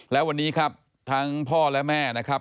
แล้ววันนี้ครับทั้งพ่อและแม่นะครับ